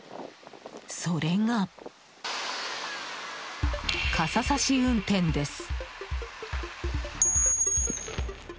それが、傘さし運転です。